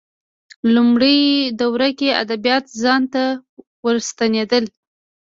لومړۍ دوره کې ادبیات ځان ته ورستنېدل